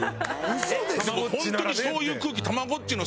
本当にそういう空気。